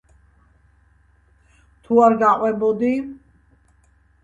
თუ არ გაყვებოდი?